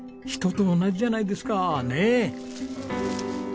人と同じじゃないですかねえ！